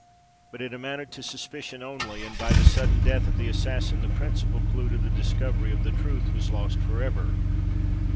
But it amounted to suspicion only; and by the sudden death of the assassin the principal clue to the discovery of the truth was lost for ever.